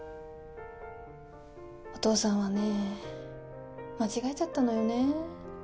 お父さんはね間違えちゃったのよね。